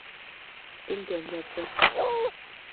Телдән яҙҙы.